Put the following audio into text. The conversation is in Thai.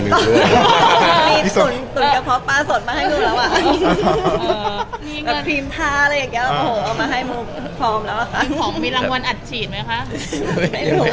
มีตุ๋นกระเพาะปลาสดมาให้มิวแล้วอ่ะ